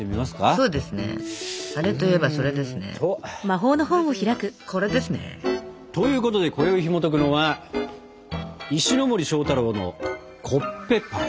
それといえばこれですね。ということでこよいひもとくのは「石森章太郎のコッペパン」。